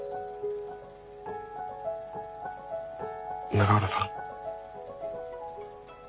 永浦さん。